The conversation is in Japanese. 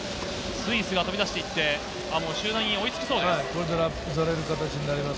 スイスが飛び出していって集団に追いつきそうです。